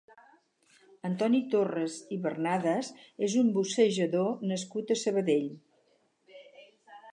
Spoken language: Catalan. Antoni Torres i Bernades és un boxejador nascut a Sabadell.